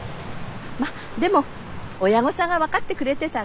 まっでも親御さんが分かってくれてたらね。